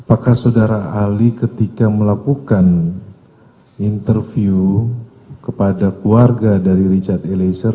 apakah saudara ali ketika melakukan interview kepada keluarga dari richard eliezer